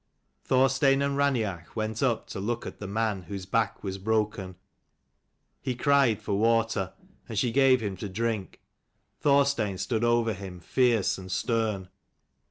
Thorstein and Raineach went up to look at the man whose back was broken. He cried for water, and she gave him to drink. Thorstein stood over him, fierce and stern.